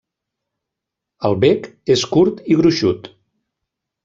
El bec és curt i gruixut.